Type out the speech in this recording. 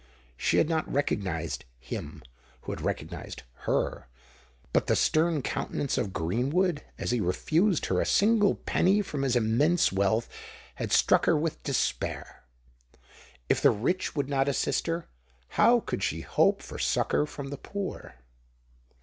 She had not recognised him who had recognised her: but the stern countenance of Greenwood, as he refused her a single penny from his immense wealth, had struck her with despair. If the rich would not assist her, how could she hope for succour from the poor?